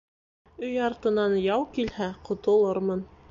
Өй артынан яу килһә, ҡотолормон